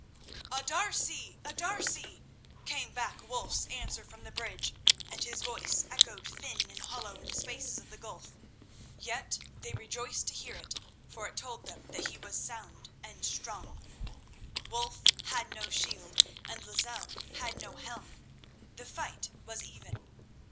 _" "A D'Arcy! A D'Arcy!" came back Wulf's answer from the bridge, and his voice echoed thin and hollow in the spaces of the gulf. Yet they rejoiced to hear it, for it told them that he was sound and strong. Wulf had no shield and Lozelle had no helm—the fight was even.